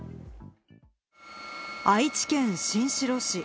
愛知県新城市。